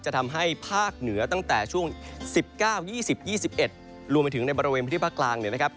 จะทำให้ภาคเหนือตั้งแต่ช่วง๑๙๒๐๒๑รวมไปถึงในบริเวณพื้นที่ภาคกลางเนี่ยนะครับ